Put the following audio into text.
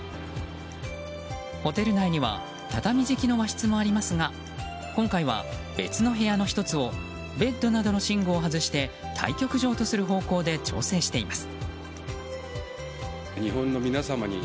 ホテル内には畳敷きの和室もありますが今回は、別の部屋の１つをベッドなどの寝具を外して対局場とする方向で調整しています。